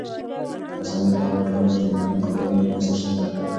رسنۍ په هره ټولنه کې د مهمو خبرونو لومړنۍ سرچینه ده.